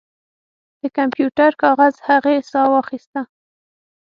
د کمپیوټر کاغذ هغې ساه واخیسته